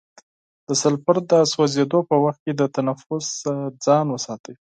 د سلفر د سوځیدو په وخت کې د تنفس څخه ځان وساتئ.